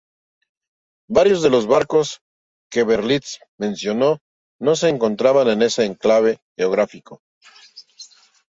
Varios de los barcos que Berlitz mencionó no se encontraban en ese enclave geográfico.